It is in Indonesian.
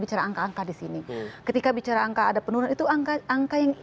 bicara angka angka di sini ketika bicara angka ada penurunan itu angka yang